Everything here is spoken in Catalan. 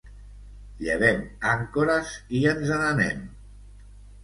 Llevem àncores i ens n’anem.